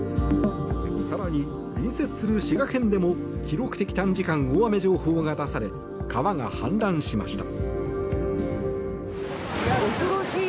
更に隣接する滋賀県でも記録的短時間大雨情報が出され川が氾濫しました。